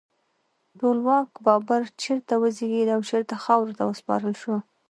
ټولواک بابر چیرته وزیږید او چیرته خاورو ته وسپارل شو؟